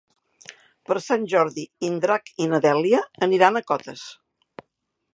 Per Sant Jordi en Drac i na Dèlia aniran a Cotes.